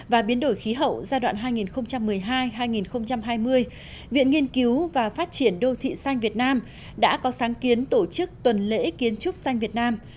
và biến đổi khí hậu giai đoạn hai nghìn một mươi hai hai nghìn hai mươi viện nghiên cứu và phát triển đô thị xanh việt nam đã có sáng kiến tổ chức tuần lễ kiến trúc xanh việt nam